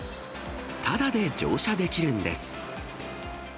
ただで乗車できるんです。